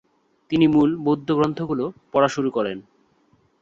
তিনি মূল বৌদ্ধ গ্রন্থগুলো পড়া শুরু করেন।